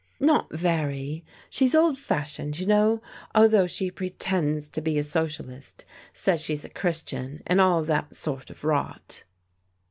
" Not very. She's old fashioned, you know, although she pretends to be a socialist. Says she's a Christian and all that sort of rot."